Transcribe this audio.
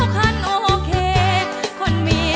มาฟังอินโทรเพลงที่๑๐